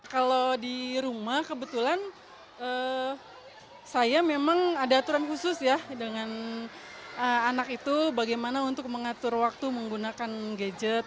kalau di rumah kebetulan saya memang ada aturan khusus ya dengan anak itu bagaimana untuk mengatur waktu menggunakan gadget